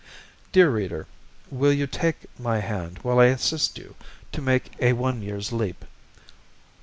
Dear Reader, will you take my hand while I assist you to make a one year's leap.